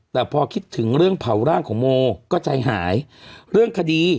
แต่พอคิดถึงเรื่องเผาร่างของโมก็ใจหายเรื่องคดี